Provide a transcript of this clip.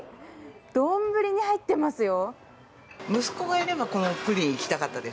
丼に入っていますよ。